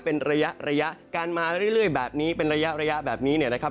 เป็นระยะการมาเรื่อยแบบนี้เป็นระยะแบบนี้นะครับ